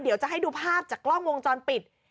เดี๋ยวจะให้ดูภาพจากกล้องวงจรปิด